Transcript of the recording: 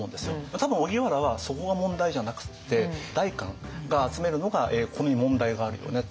多分荻原はそこが問題じゃなくって代官が集めるのがここに問題があるよねと。